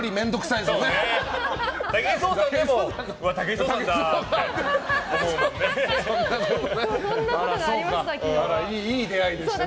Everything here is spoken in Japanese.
いい出会いでしたね。